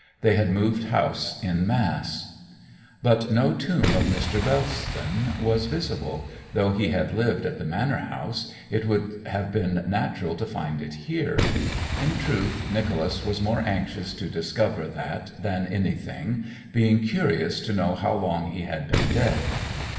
They had moved house in mass. But no tomb of Mr. Bellston was visible, though, as he had lived at the manor house, it would have been natural to find it here. In truth Nicholas was more anxious to discover that than anything, being curious to know how long he had been dead.